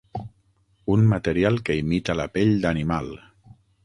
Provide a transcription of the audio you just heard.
Un material que imita la pell d'animal.